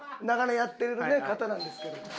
長年やってる方なんですけど。